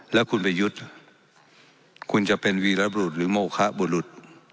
แล้วคุณประยุทธ์คุณจะเป็นวีรบรุษหรือโมคะบุรุษ